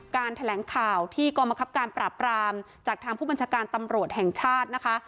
แถลงข่าวที่กรมคับการปราบรามจากทางผู้บัญชาการตำรวจแห่งชาตินะคะ